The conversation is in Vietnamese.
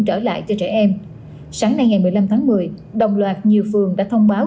trở lại cho trẻ em sáng nay ngày một mươi năm tháng một mươi đồng loạt nhiều phường đã thông báo